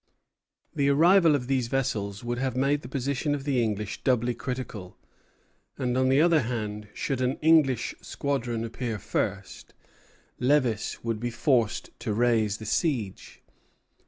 The arrival of these vessels would have made the position of the English doubly critical; and, on the other hand, should an English squadron appear first, Lévis would be forced to raise the siege.